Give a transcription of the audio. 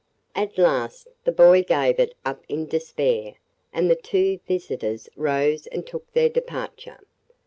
At last the boy gave it up in despair and the two visitors rose and took their departure.